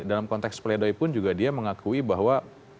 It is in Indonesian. dalam konteks pleidoy pun juga dia mengakui bahwa